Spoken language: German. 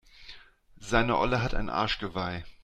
Seine Olle hat ein Arschgeweih.